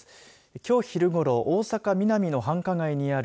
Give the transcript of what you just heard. きょう昼ごろ大阪、ミナミの繁華街にある